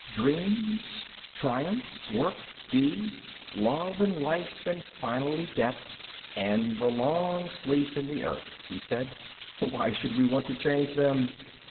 "Dreams, triumphs, work, deeds, love and life and finally death and the long sleep in the earth," he said. "Why should we want to change them?